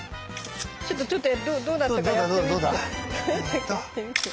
ちょっとちょっとどうだったかやってみて。